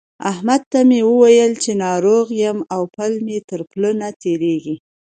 احمد ته مې وويل چې ناروغ يم او پل مې تر پله نه تېرېږي.